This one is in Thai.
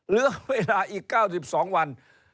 เหลือเวลาอีก๙๒วัน